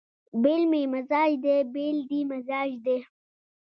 بېل مې مزاج دی بېل دې مزاج دی